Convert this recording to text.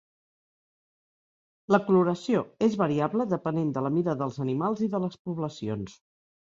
La coloració és variable depenent de la mida dels animals i de les poblacions.